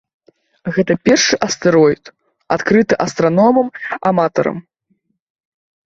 Гэта першы астэроід, адкрыты астраномам-аматарам.